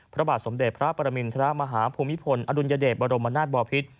พระบาทสมเด็จพระปรมินทรมาฮาภูมิพลอดุลยเดชบรมนาศบอพิษ